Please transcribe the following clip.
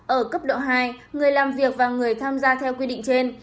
ở cấp độ hai người làm việc và người tham gia theo quy định trên